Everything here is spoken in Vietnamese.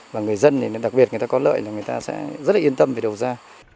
và người dân thì đặc biệt người ta có lợi là người ta sẽ rất là yên tâm về đầu ra